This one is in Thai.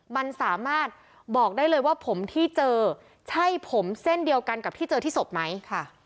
มันสามารถบอกได้เลยว่าผมที่เจอใช่ผมเส้นเดียวกันกับที่เจอที่ศพไหมค่ะ